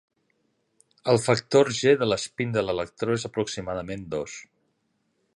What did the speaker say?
El factor g de l'espín de l'electró és aproximadament dos.